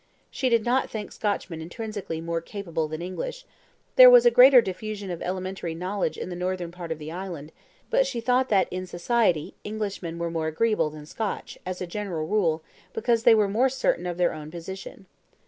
She did not think Scotchmen intrinsically more capable than English; there was a greater diffusion of elementary knowledge in the northern part of the island, but she thought that in society Englishmen were more agreeable than Scotch, as a general rule, because they were more certain of their own position.